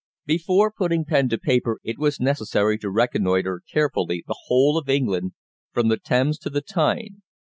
Before putting pen to paper it was necessary to reconnoitre carefully the whole of England from the Thames to the Tyne.